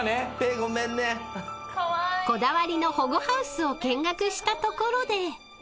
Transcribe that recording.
［こだわりの保護ハウスを見学したところで］